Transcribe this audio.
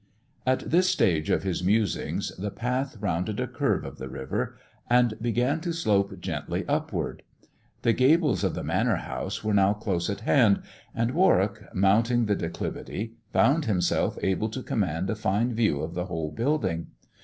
At this stage of his musings the path rounded a curve of the river, and began to slope gently upward. The gables 22 THE dwarf's chamber of the Manor House were now close at hand, and Warwick, mounting the declivity, found himself able to command a fine view of the whole building.